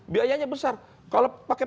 biayanya besar kalau pakai